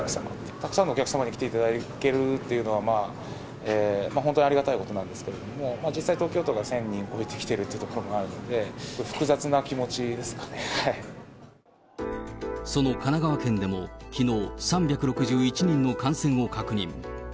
たくさんのお客様に来ていただけるというのは、本当にありがたいことなんですけれども、実際、東京都が１０００人超えてきてるということもあるので、複雑な気その神奈川県でも、きのう３６１人の感染を確認。